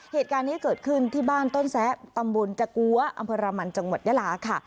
เหตุการณ์นี้เกิดขึ้นที่บ้านต้นแสตำบลจักรัมน์จังหวัดยาลาค่ะ